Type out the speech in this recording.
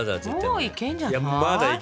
もういけんじゃない？